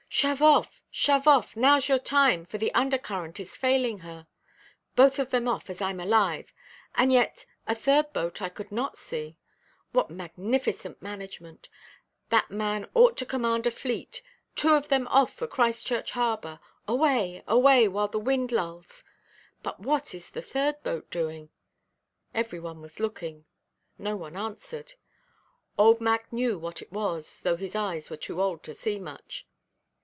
"Shove off, shove off; nowʼs your time, for the under–current is failing her. Both of them off, as Iʼm alive; and yet a third boat I could not see. What magnificent management! That man ought to command a fleet. Two of them off for Christchurch Harbour; away, away, while the wind lulls; but what is the third boat doing?" Every one was looking: no one answered. Old Mac knew what it was, though his eyes were too old to see much.